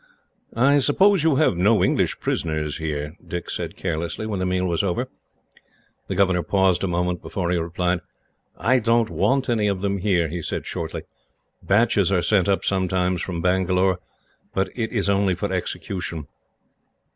"I suppose you have no English prisoners here?" Dick said carelessly, when the meal was over. The governor paused a moment, before he replied. "I don't want any of them here," he said shortly. "Batches are sent up, sometimes, from Bangalore; but it is only for execution.